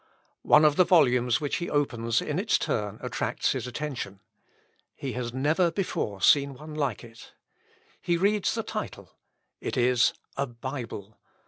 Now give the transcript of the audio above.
One of the volumes which he opens in its turn attracts his attention. He has never before seen one like it. He reads the title, ... it is a Bible!